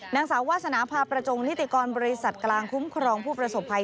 นางสาววาสนาพาประจงนิติกรบริษัทกลางคุ้มครองผู้ประสบภัย